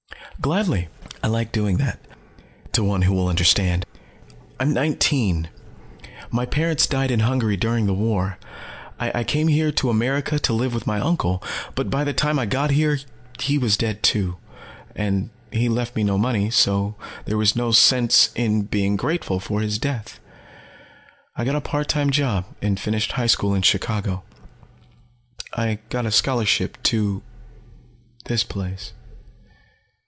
"Gladly. I like doing that to one who will understand. I'm nineteen. My parents died in Hungary during the War. I came here to America to live with my uncle. But by the time I got here he was dead, too. And he left me no money, so there was no sense being grateful for his death. I got a part time job and finished high school in Chicago. I got a scholarship to this place."